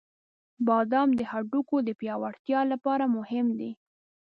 • بادام د هډوکو د پیاوړتیا لپاره مهم دی.